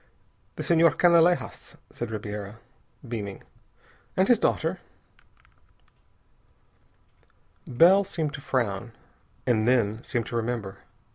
"The Senhor Canalejas," said Ribiera, beaming, "and his daughter." Bell seemed to frown, and then seemed to remember.